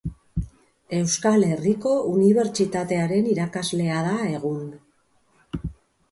Euskal Herriko Unibertsitatearen irakaslea da egun.